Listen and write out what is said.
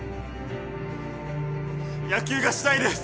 野球がしたいです！